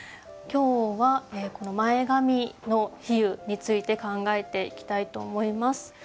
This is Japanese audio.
今日はこの前髪の比喩について考えていきたいと思います。